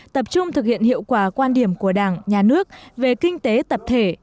tập trung thực hiện hiệu quả quan điểm của đảng nhà nước về kinh tế tập thể